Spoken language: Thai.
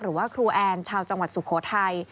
หรือว่าครูแอนชาวจังหวัดสุโขทัย